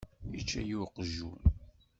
Ičča-yi uqjun.